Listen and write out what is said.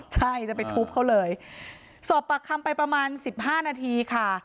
ใช่จะไปทุบเขาเลยสอบปากคำไปประมาณสิบห้านาทีค่ะ